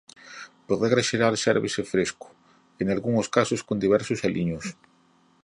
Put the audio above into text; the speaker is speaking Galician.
Por regra xeral sérvese fresco e nalgúns casos con diversos aliños.